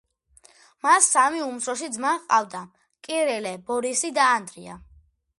მას სამი უფროსი ძმა ჰყავდა: კირილე, ბორისი და ანდრია.